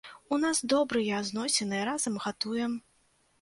У нас добрыя зносіны, разам гатуем.